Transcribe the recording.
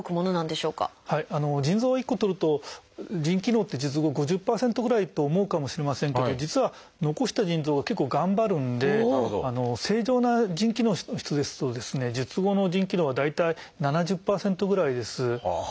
腎臓を１個とると腎機能って術後５０％ぐらいと思うかもしれませんけど実は残した腎臓が結構頑張るんで正常な腎機能の人ですと術後の腎機能は大体７０％ぐらいです。